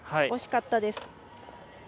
惜しかったです。